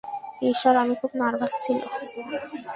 ঈশ্বর, আমি খুব নার্ভাস ছিল।